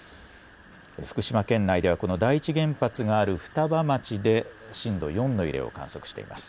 福島県内では、この第一原発がある双葉町で震度４の揺れを観測しています。